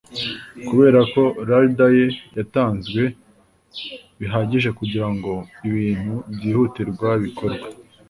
kuberako larder ye yatanzwe bihagije kugirango ibintu byihutirwa bikorwe